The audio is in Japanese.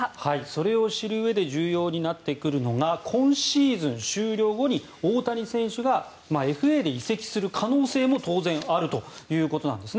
それを知るうえで重要になってくるのが今シーズン終了後に大谷選手がＦＡで移籍する可能性も当然あるということなんです。